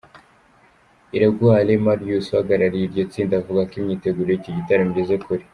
Iraguha Alain Marius, uhagarariye iryo tsinda avuga ko imyiteguro y’icyo gitaramo igeze kure.